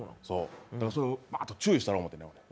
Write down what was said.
それをバーッと注意したろと思ってね。